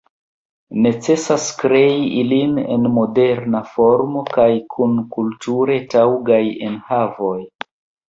Necesas krei ilin en moderna formo kaj kun kulture taŭgaj enhavoj.